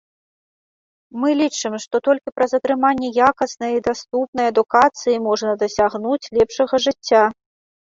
Мы лічым, што толькі праз атрыманне якаснай і даступнай адукацыі можна дасягнуць лепшага жыцця.